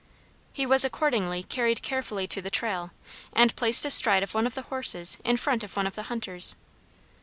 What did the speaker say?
He was accordingly carried carefully to the trail, and placed astride of one of the horses in front of one of the hunters.